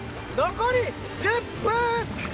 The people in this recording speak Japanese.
残り１０分。